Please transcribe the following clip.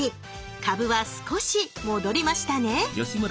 株は少し戻りましたね